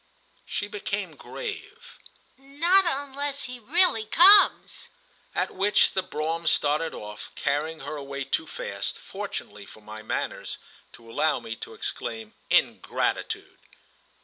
She became grave. "Not unless he really comes!" At which the brougham started off, carrying her away too fast, fortunately for my manners, to allow me to exclaim "Ingratitude!"